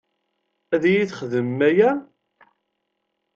Ad iyi-txedmem aya?